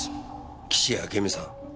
岸あけみさん